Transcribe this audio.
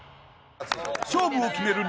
［勝負を決める